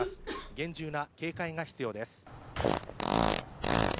厳重な警戒が必要です。